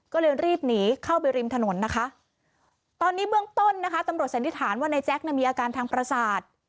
ก็เลยรีบหนีเข้าไปริมถนนนะครับ